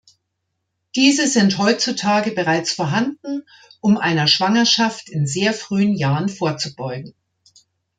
Diese sind heutzutage bereits vorhanden, um einer Schwangerschaft in sehr frühen Jahren vorzubeugen.